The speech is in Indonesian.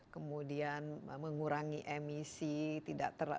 kemudian mengurangi emisi